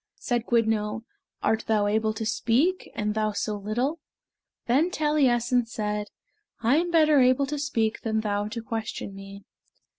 Said Gwyddno, "Art thou able to speak, and thou so little?" Then Taliessin said, "I am better able to speak than thou to question me."